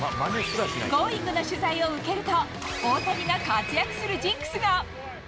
Ｇｏｉｎｇ！の取材を受けると、大谷が活躍するジンクスが。